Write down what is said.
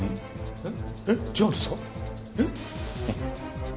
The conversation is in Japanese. えっ？